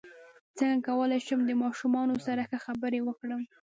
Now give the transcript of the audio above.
څنګه کولی شم د ماشومانو سره ښه خبرې وکړم